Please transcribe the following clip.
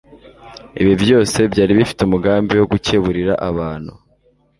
Ibi byose byari bifite umugambi wo gukeburira abantu